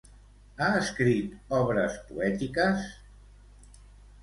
Ha escrit obres poètiques?